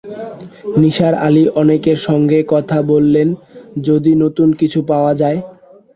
নিসার আলি অনেকের সঙ্গেই কথা বললেন-যদি নতুন কিছু পাওয়া যায়।